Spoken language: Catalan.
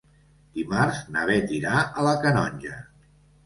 Dimarts na Beth irà a la Canonja.